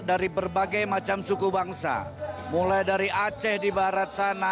dari berbagai macam suku bangsa mulai dari aceh di barat sana